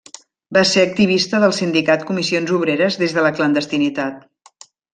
Va ser activista del sindicat Comissions Obreres des de la clandestinitat.